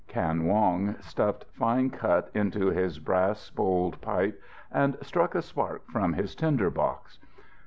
Kan Wong stuffed fine cut into his brass bowled pipe and struck a spark from his tinder box.